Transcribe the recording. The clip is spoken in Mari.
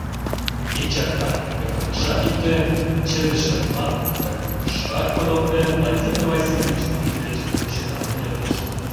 Ик чаркам ӧкымешак йӱктен, «чыве шӧрымат» ӧкымешак подылтен, Владимир Васильевич кугыж деч шекланен йодеш: